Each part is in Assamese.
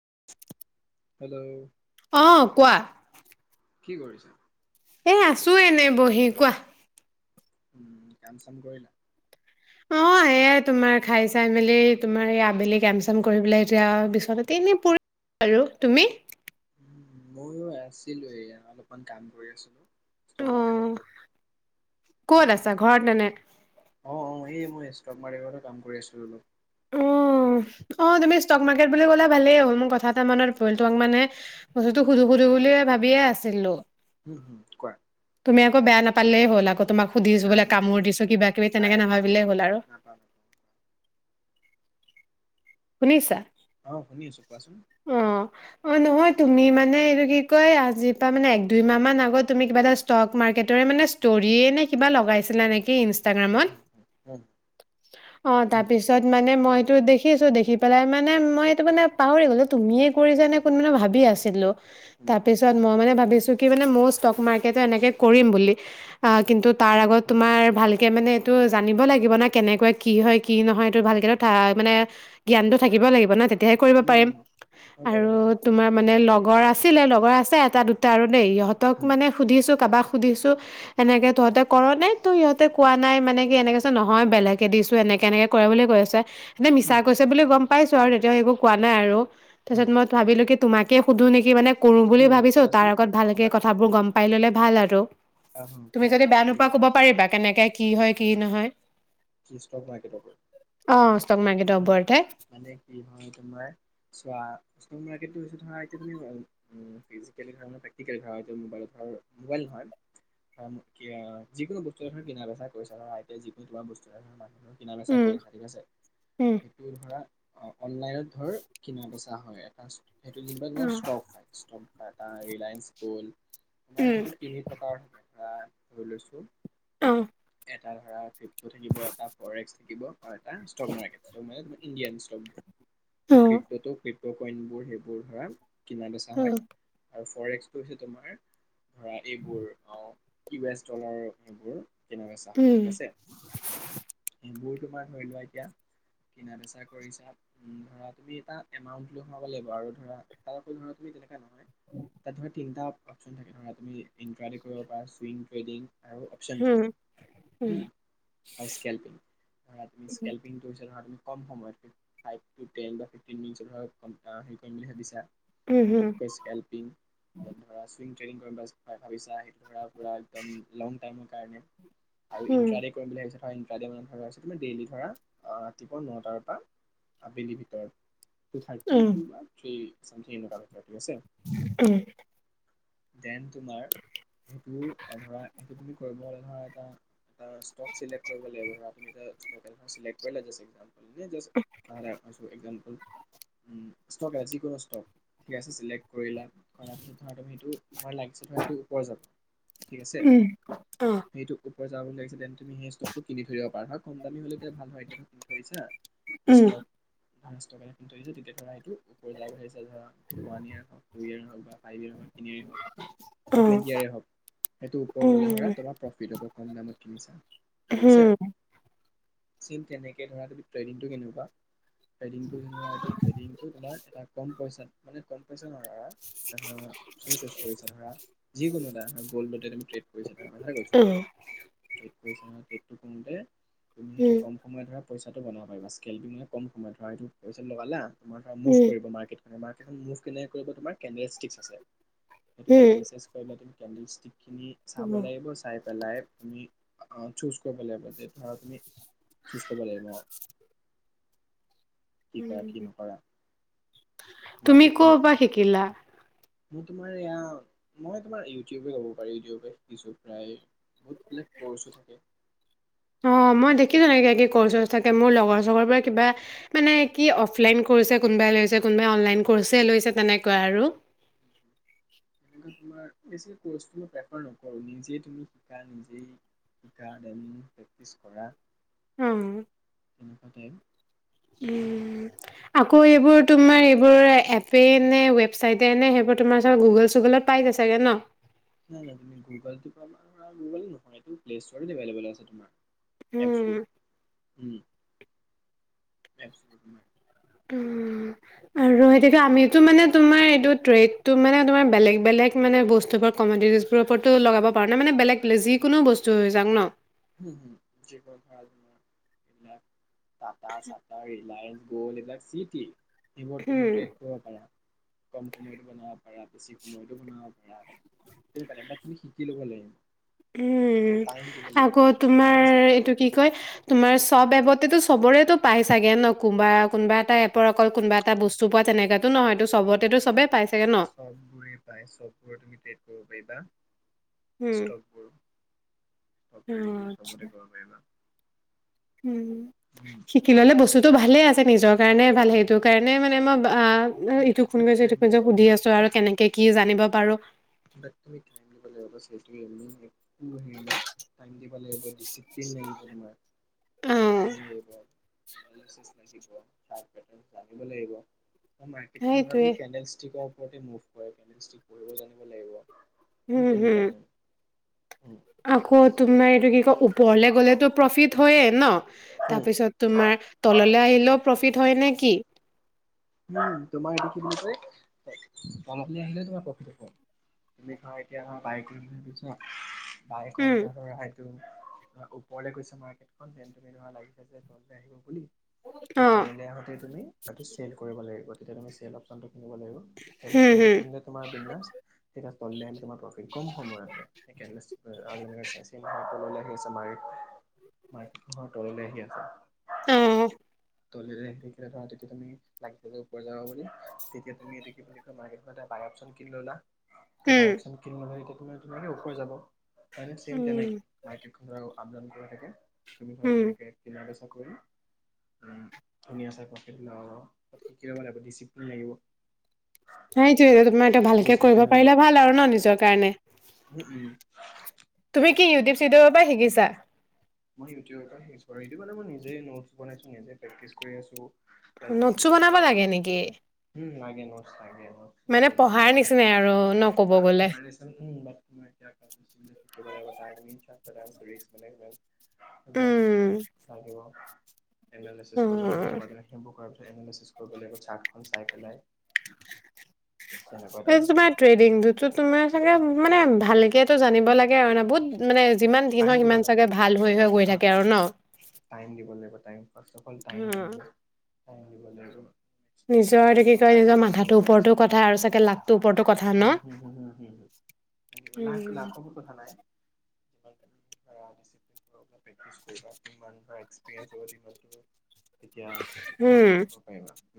[inaudible] হেল্ল' অ, কোৱা কি কৰিছা এ আছো এনে বহি কোৱা, উম কাম চাম কৰিলা অ সেয়াই তোমাৰ খাই চাই মেলি তোমাৰ এই আবেলি কেম চাম কৰিব পেলাই এতিয়া বিশনানে প আৰু তুমি ময়ো আছিলো এয়া অলপমান কাম কৰি আছিলো ষ্টক অ, মাৰ্কেটৰ ওপৰত। উম, কত আছা ঘৰত নে অ অ এই মই ষ্টক ম্েট কাম কৰি আছো অলপ অ অ তুমি ষ্টক মাৰ্কেট বুলি ক'লে ভালেই হ'ল মোৰ কথা এটা মনত পৰিল! তোমাক মানে বস্তুটো সুধো সুধো বুলিয়ে ভাবিয়ে আছিলো উম, হম কোৱা পালে হ'লাগ তোমাক সুধিছো নাই বোলে নাই কামোোৰ দিছো কিবা কিবি নাই তেনেকে নহ নাই বিলেই হ'ল আৰু নাপাওঁ নাপাওঁ। শুনি অ, শুনি আছো কোৱাচোন অ নহয় তুমি মানে এইটো কি কয় আজি পৰাা মানে এক দুই মাহ মান আগত তুমি কিবা এটা ষ্টক মাৰ্কেটৰে মানে ষ্টৰিয়ে নে কিবা লগাইছিলা নেকি ই উম ইনষ্টগ্ৰামত,,,,,,, উম অঃ তাঁৰ উম পিচত মানে মইতটো দেখিছো দেখি দেখি পেলাই মানে মই এইটো মানে পাহৰি গ'ল যে তুমিয়ে কৰি যোনে কোনো মানে ভাবি আছিলোঁ উম তাৰ পিছত মই মানে ভাৱি, ছো কি মানে মোৰ ষ্টক মাৰ্কেটো এনেকে কৰিম বুলি, উম অঃ কিন্তু তাৰ আগত তোমাৰ ভালকে মানে এটো জানিব লাগিব না কেঁনেকৈ কি হয়, কি নহয় এইটো ভালকে মানে, জ্ঞানটো থাকিব লাগিব ন তেয়া পেঁ কৰিব উম পাৰিম,, উম হয় বাৰু আৰু অ কোৱা। তোমাৰ মানে লগা ৰ আছিলে লগৰ আছে এটা দুটা আৰু,,,, দেই ইহতক উম মানে সুধিছো কাৰোবাক সুধিছো এনেকে তহঁতে কৰ নে তোৰ সহঁতে কোৱা নাই মানে কি এনেকেছে নহয় বেলেকে দিছো এনেকে এনেকে কৰে বুলি কৈ আছে এনে মিছা, উম উম গম পাইছো আৰু তেতিয়া, একো কোৱা নাই আৰু উম তাৰপিছত মই হুম ভাবিলো কি তোমাকে সুধো নেকিানে কৰো বুলি উম ভাবিছো তাৰ সুধাচোন আগত ভালকে কিবা? কথাবোৰ গম পালে পাই ল'লে ভাল আৰু অ হ তুমি কোৱা যদি বেয়া কি নোপোৱা কব পাৰিবা কেনেকে কি হয় কি নহয় কি ষ্টক মাৰ্কেটৰ? অঁ ষ্টক উ মাৰ্কেটৰ ওপৰতহে মানে কি হয় তোমাৰ চোৱা? এইটো বস্তু ধৰা ডিজিটালি ধৰা বা প্ৰেকটিকেলি ধৰা ম'বাইল ধৰা মোবাইল নহয় যিকোনো বস্তু এ ধৰা কিনা বেচা কৰিছা ধৰা যিকোনো বস্তু ধৰা মানুহ ধৰা কিনা বেচা উম কৰিছা ঠিক আছে। উম সেই টো ধৰা অনলাইনত ধৰ কিনা বেচা হয় এটা সেইটো যেনিবা তোমাৰ উম ষ্টক টাটা, ৰিলায়েন্স, গ'ল আমাৰ উম সেইটো তিনি প্ৰকাৰ থাকে প্ৰায় [unintelligible] ধৰি লৈছো অ' এটা ধৰা ফিপটো থাকিব এটা কৰে্স থাকিব হয় এটা ষ্টক মাৰ্কেট। ইণ্ড অঁ ক্ৰিপটো ক্ৰিপ কইন বোৰ সেইবোৰ ধৰা কিনা-বেচা অঁ হয় আৰু ফৰে্সটো হৈছে তোমাৰ ধৰা এইবোৰ অ' ইউ এচ ডলাৰ সেইবোৰ। কেনেকোৱা চাহ উম ঠিক আছে। এইবোৰ তোমাৰ ধৰি লোৱা এতিয়া কিনা বেচা কৰিছা। ধৰা তুমি এটা এমাউন্ট লৈ ভৰাব লাগিব আৰু ধৰা এমাউন্ট ধৰা তুমি তেনে নহয় তাত তিনিটাও অপশচন থাকে ধৰা তুমি ইনটাৰ দি কৰিব পাৰা চুইং ট্ৰেডিং আৰু অপচন ট্ৰেডিং আৰু স্কেল্পিং ধৰা তুমি স্কেল্পিং কম সময়ত ফাভ টো টেন ফিফটি মিনিটৰ ভিতৰত হেৰি কৰিম বুলি ভাবিছা? সেইটোক কয় স্কেল পিং তাৰ পৰা চুইং ট্ৰেইনিং কৰিব ভাবিছা সেইটো। পুৰা একদম লং টাইম কাৰণে আৰু ইণ্ট্ৰাডে কৰিম বুলি ভাবিছে নহয়। ইন [unintelligible] মান ধৰা আছে তোমাৰ। দেইলি ধৰা আ, ৰাতিপুৱা নটাৰ পৰা আবেলিৰ ভিতৰত টু থাৰ্টি টো বা থ্ৰী চাম কিনো পাৰে। হৈছে। দেন, তোমাৰ এইটো ধৰা এইটো তুমি কৰিব হ'লে নহয় তুমি এটা ষ্ট'ক ডিলেক্ট কৰিব লাগিব। ধৰা তুমি এটা স্প'কেল ডিলেক্ট কৰিলা বাচ হৈ যাৱ। এই জাষ্ট কৰা নাই আৰু। Just for example um, stock যিকোনো ষ্টক ঠিক আছে চিলেক্ট কৰিলা। কৰাৰ পিছত ধৰা তুমি সেইটো তোমাৰ লাগিছে ধৰা এইটো ওপৰ যাব। ঠিক আছে উম, অ' সেইটো যাব লাগিছে তুমি সেই ষ্ট'ভ টো কিনি থৈ দিব পাৰা। কম দামি হলেও এতিয়া ভাল হয়। এতিয়া কৰিছা? ষ্ট'ক এডভান্স এটা কৰি থৈ আহিছো। তেতিয়া ধৰা সেইটো ওপৰ যাব আহিছে। ওৱান ইয়েৰ হয় টো ইয়েৰ নহয়। ধৰা আয় ওৱেৰ সময় খিনিত। বা টুৱেন্টি ইয়াৰে হওক। সেইটো ওপৰ গ'লে ধৰা তোমাৰ প্ৰফিত হ'ব। কিমান ত কিনিছা? ঠিক আছে হম। চেম তেনেকে ধৰা তুমি ট্ৰেইনিং টো কিনিব পাৰা। ট্ৰেডিংটো ধৰা এইটো ট্ৰেডিংটো তোমাৰ এটা কম পইচাত মানে কম। [unintelligible] ধৰিছো ধৰা, যিকোনো এটা গল্ড টো তুমি যেতিয়া ট্ৰেড কৰিছা ধৰা সঁচাই কৈছোঁ পইচা বেগটো থওঁতে তুমি সেইটো কম সময়ত ধৰা পইচাটো বনাব পাৰিবা। স্কেল দি কিনে কম সময়ত ধৰা এইটো পইচেল লগালা তোমাৰাৰ মুভ কৰিব মাৰ্কেট মানে মাৰ্কট খন মুভ কেনেকৈ কৰিব তোমাৰ কেমেৰা ষ্টিকছ আছে। সেইটো এনালিচিছ কৰিলা তুমি? কিস্তি খিনি চাব লাগিব, চাই এলাইভ মি অ চুছ কৰিব লাগিব যে ধৰা তুমি চুছ কৰিব লাগিব। অ। কি কৰা, কি নকৰা। তুমি ক' মাৰ্কেটখনৰ ওপৰত পৰা শিকিলা? মোৰ তোমাৰ এইয়া মই তোমাৰ ইউ টিউবে হব পাৰি, ইউটিউবে শিকিছো প্ৰায় বহুত বিলাক কৰ্ছো থাকে। অ মই দেখিছো নেকি ক্সছ ছ্ৰছ থাকে মোৰ লগৰ চগৰ বোৰে কিবা মানে কি অফলাইন কৰিছে কোনোবাই লইছে কোনোবাই অনলাইন কৰিছে লইছে তেনেকুৱায়ে আৰু ন তুমি শা নি শনে হম তেনেকুৱাতে আকৌ এইবোৰ তোমাৰ এইবোৰ এপেই নে ৱেবচাইট নে সেইবোৰ তোমাৰ গুগোল চোগলত পাই যায় চাগে ন নাই নাই তুমি গুগল গুগ নু এইটো প্লেষ্ট এভলেব আছে তোমাৰ উম [unintelligible] এক উম [inaudible] উম আৰু তুমি সেইটোকে গৰম পানী আমিতো কৰিব মানে পাৰা তোমাৰ এইটো ট্ৰেড ত মানে তোমাৰ বেলেগ বেলেগ মানে বস্তুবোৰ কমেডিট বোৰ ওপৰতো লগাব পাৰো ন মানে বেলেগ যিকোনো বস্তু হৈ যাও ন ভ চিলয় গড চিটি [inaudible] সেইবোৰ তুমি উম ট্ৰেড কৰিব পাৰা কম সময়ত বনাব পাৰা বেছি সময়তো বনাও বেয়া সেই কাৰণে এবাৰ তুমি শিকি ল'ব লাগে উম আগ বেছিক তোমাৰ নলেজ লাগিব এইটো কি কয় তোমাৰ চব এপতেতো চবৰেতো পাই চাগে ন কোনোবা কোনোবা এটা এপৰ অকল কোনোবা এটা বস্তু পোৱা তেনেকাটো নহয় টো সবতেটো চবেই পাইছে চব গুৰি পায় চব গুৰি তুমি ডেট ববা উম ষ্টোকবোৰ অ চবতে আচ্ছা কৰিব পাৰিবা উম শিকি ললে বস্তুতো তটো ভালে আছে নিজৰ কাৰণে ভাল সেইটো কাৰণে মানে মই অ ইটো কোন বাট গইছে ইটো টাইম কোন দিব গইছে সুধি লাগিব আছো আৰু কেনেকে কি জানিব পাৰো দে তুমি টাইম দিব লাগিব বাছ সেইটো মেন একো হেৰি নাই টাইম দিব লাগিব ডিচিপ্লিন নমাৰ অ' ডিচিপ্লিন নব [unintelligible] এ ল জানিব [unintelligible] লাগিব সেইটোৱে মাৰ্কটখনি কে ষ্ট ান [unintelligible] কোন উম, তেনেকুৱা হুম তেওঁ আকৌ তোমাৰ এইটো কি কয় ওপৰলৈ গ'লেতো প্ৰফিট হয়ে ন তাৰ পিছত তোমাৰ তললৈ আহিলেও প্ৰফিট হয় নে কি উম তোমাৰ এইটো কি বুলি কয় কম আহিলে তোমাৰ প্ৰফিট হ'ব তুমি ধৰা এতিয়া বাৰেকুৰি ফালে চোৱা বাইকৰ উম, [unintelligible] ওপৰলৈ গৈছে মাৰ্কেটখন দেন তুমি ধৰা লাগিছে যে তললৈ আহিব বুলি। তে অ' তললৈ আহোঁতে তুমি এই কৰিব লাগিব, তেতিয়া তুমি চেল অপশ্যনটো নিব লাগিব, চেল হুম, অপশ্যনটো হুম কিনিলে তোমাৰ বিন্দাচ অনলাইন তোমাক অতি কম সময়তে [unintelligible] আহি আছে। মাৰীত, মাৰ্কেটখন তললৈ আহি আছে ও। তলেৰে আহি থাকা। তেতিয়া তুমি লাগিছে যে ওপৰ যাবা বুলি। তেতিয়া তুমি এইটো কি বুলি কয় [unintelligible] বাই অপশ্যন কিনি ল'লা তে, বাই উম, অপশ্যন কিনোঁ হয় এতিয়া তোমাৰ ধুনীয়াকে ওপৰ যাব। হয় নে, চেম তেনেকে উম, মাৰ্কেটখনৰ আগত। আপ-ডাউন কৰি থাকে তুমি হয় উম তেনেকে [unintelligible] কৰিম [unintelligible] ধুনীয়া চাই বুলে অ আৰু শিকিব কাৰণে ডিচিপ্লিন লাগিব। নাইটো, তোমাৰটো ভালকে কৰিব ডিচিপ্লিন হ'লে পাৰিলে ভাল আৰু ন, নিজৰ কাৰণে, উম উম তুমি কি ইউটিউব-চিউটিৰ ৰ পৰা শিকিছা? মই ইউটিউব ৰ পৰা শিকিছো আৰু এইটো মানে মই নিজেই নোটছ বনাইছো, নিজেই প্ৰেকটিছ কৰি আছো। প্লাছ নোটছো বনাব লাগে নেকি? গে, নোটছ লাগে মানে তোমাকো পঢ়াৰ দৰকাৰ হয়, নিচিনাই আৰু ন ক'ব [unintelligible] [unintelligible] গ'লে। ডান্স কৰি আছোঁ। মানে, ধৰক এইবিলাক উম। লাগিব। এনালাইচিছ কৰিব এ লাগিব, তাৰ উম, পৰা সেইবোৰ কৰা পিছত এনালাইচিচ কৰিব লাগিব, চাৰ্টখন চাই পেলাই। তেনেকুৱা টাইপ তোমাৰ ্ৰেডিং তুতো তোমাৰ। [unintelligible] মানে-মানে ভালকেটো জানিব লাগে আৰু ন বহুত মানে জা যিমান দিন টাইম হয়, দিব সিমান লাগে চাগে ভাল হৈ-হৈ গৈ হা থাকে আৰু ন? টাইম দিব লাগিব time first of all time হা লাগিব টাইম দিব লাগিব। নিজৰটো কি কয়, নিজৰ মাথাটোৰ ওপৰতো কথা আৰু চাগে লাক উম, হম, হম, হম, হম, হম। লাক, উম। লাকৰো কথা নাই ধৰা, ডিচিপ্লিন হৈ পেলাই। প্ৰেক্টিছ কৰিবা। যিমানটা এক্সপিৰিয়েন্স হৈ, সিমানতো এতিয়া উম, [unintelligible] কৰিব পাৰিবা।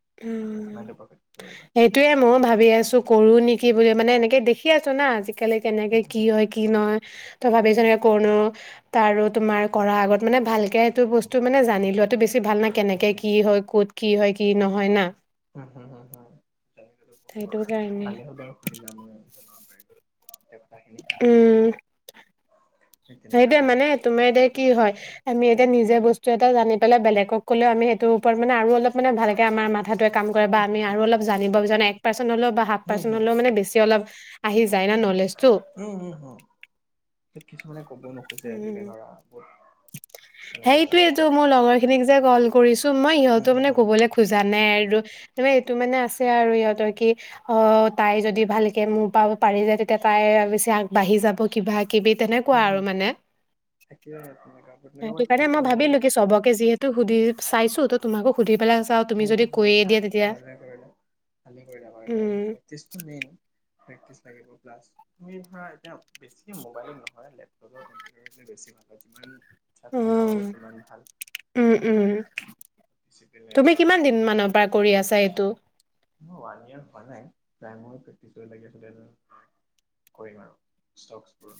[inaudible] সমানটো প্ৰকৃত কৰিবা এইটোৱে মই ভাবি আছো কৰো নেকি বুলি মানে এনেকে দে দেখি আছো না আজিকালি কেনেকে উম হুম কি হয় কি নহয় তই ভাবিছনে কনো তাৰ আৰু তোমাৰ কৰা আগত মানে ভালকে এইটো বস্তু মানে জানি লোৱাাতো বেছি ভাল ন কেনেকে কি হয় ক'ত কি হয় কি নহয়! হয় ন! উম হু হু হু জটো বহুত সেইটো দৰকাৰ কাৰণে ভালে হ'ল বাৰু সুধিলা মই জনাব পাৰিলো [unintelligible] উম সেই তেনেকা সেইটোৱে টাইপ মানে তোমাৰ এতিয়া কি হয় আমি এতিয়া নিজে বস্তু এটা জানি পেলাই বেলেগক ক'লেও আমি সেইটো ওপৰত মানে আৰু অলপ মানে, ভালকে আমাৰ মাথাতোৱে কাম কৰে। বা হুম আমি হুম আৰু হুম অলপ জানিব [unintelligible] পাৰ্চনলৈও বা হাফ হুম পাৰ্চনলৈ বেছি অলপ আহি যায় না নলেজটো হুম হুম হুম কিছুমানে ক'ব নোখোজে আজিকে ধৰা বহুত তেনেকুৱা টাইপ সেইটোৱে তো মোৰ ল লগৰখিনিক যে ক'ল কৰিছো মই হুম সিহঁতো হুম মানে হুম ক'বলৈ খোজা নাই আৰু তাৰ এইটো মানে আছে আৰু সিহঁতৰ কি অ তাই যদি ভালকে মোৰ পাও পাৰি যায় তেতিয়া তাই পিছে আগবাঢ়ি যাব কিবা কিবি তেনেকুৱা হুম হুম আৰু মানে তাকে তেনেকা সেইটো তেনেকুৱা কাৰণে হেৰি মই কৰিব নালাগে ভাবিলো কি চবকে যি সেইটো সুধি চাইছো তো তোমাকো সুধি পেলাই চাও তুমি ভালে যদি কৈয়ে দিয়া তেতিয়া কৰিলে ভালে কৰিলে কৰিলে উম প্ৰেকটিছটো মেইন প্ৰেক্টিচ লাগিব প্লাছ তুমি ধৰা এতিয়া বেছি মোবাইলত নহয় লেপটপৰ কম্পিউটাৰ বেছি ভাল [unintelligible] চাৰ্টখন ডাঙৰ হব উম সিমানেই ভাল উম উম তুমি [unintelligible] কিমান দিন মানৰ পৰা কৰি আছা এইটো [inaudible] ডাঙৰ প্ৰেক্টিচতে লাগি আছো দেন কৰিম আৰু ইষ্টকবোৰ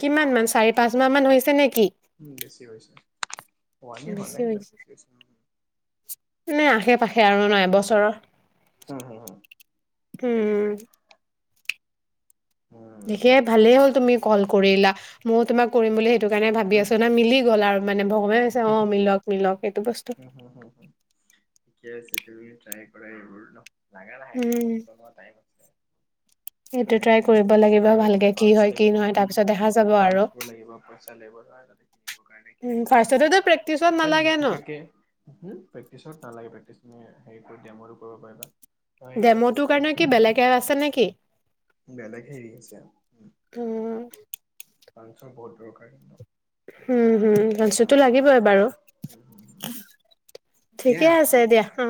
কিমান মান চাৰি পাঁচ মাহ মান হৈছে নেকি উম বেছি হৈছে অ আজিয়ে বেছি মানে হৈছে নে আহে পাশে আৰু ন এবছৰৰ, উম হু হু উম। তেনেকুৱাই উম ঠিকেই ভালেই হ'ল তুমি কল কৰিলা ময়ো তোমাক কৰিম বুলি। সেইটো কাৰণে ভাবি আছো না উম মিলি গ'ল আৰু। মানে ভগৱানে ভাবিছে অ মিলক মিলক এইটো উম হু হু হু ঠিকে বস্তত। আছে তুমি ট্ৰাই কৰাই এইবোৰ ন লাগে লাহেকে উম কষ্ট কৰা টাইম এইটো ট্ৰাই লাহেকে কৰিব লাগিব আৰু ভালকে কি ফ্ৰাস্ম্ হয় কি লাগিব, নহয় তাৰ উম পিছত দেখা যাব আৰু ফ্ৰাস্ম্ বোৰ লাগিব, পইচা লাগিব তাতে কিনিবৰ কাৰণে উম কিনিবৰ কাৰ লাগে। ফাৰ্ষ্টতেতো আৰু প্ৰেক্টিচত ত নালাগে ন নিশিকাকে, প্ৰেক্টিচত নালাগে প্ৰেক্টিচ তম হেৰি কৰি ডোমতো কৰিব পাৰিবা। নহয় এতিয়া তুমি ডেম'টোৰ ক কাৰণে কি বেলেগে আছে নেকি? বেলেগ হেৰি আছে আৰু। উ টি‌টি লাঞ্চৰ বহুত দৰকাৰ উম হম ভালছুতো চাইন্সৰ লাগিবই, বাৰু দিয়া ঠিকে আছে হ'ব দিয়া অ।